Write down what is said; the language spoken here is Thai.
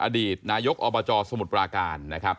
อดีตนายกอบจสมุทรปราการนะครับ